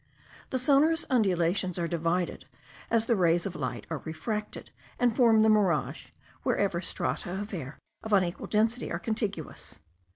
The sonorous undulations are divided, as the rays of light are refracted and form the mirage wherever strata of air of unequal density are contiguous.